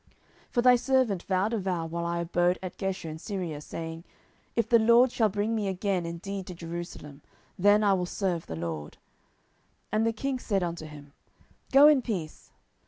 10:015:008 For thy servant vowed a vow while I abode at Geshur in Syria, saying, If the LORD shall bring me again indeed to Jerusalem, then I will serve the LORD. 10:015:009 And the king said unto him, Go in peace.